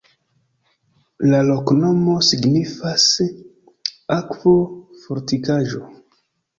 La loknomo signifas: akvo-fortikaĵo.